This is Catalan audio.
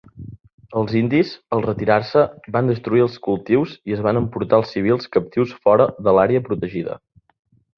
Els indis, al retirar-se, van destruir els cultius i es van emportar als civils captius fora de l'àrea protegida.